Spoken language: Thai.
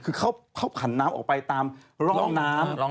คือเขาผันน้ำออกไปตามร่องน้ำ